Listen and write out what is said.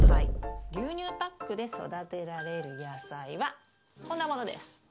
牛乳パックで育てられる野菜はこんなものです。